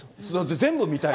全部見たい。